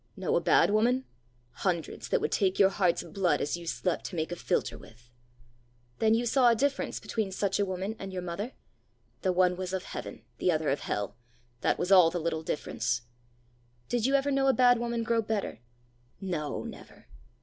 "Know a bad woman? Hundreds that would take your heart's blood as you slept to make a philtre with!" "Then you saw a difference between such a woman and your mother?" "The one was of heaven, the other of hell that was all the little difference!" "Did you ever know a bad woman grow better?" "No, never.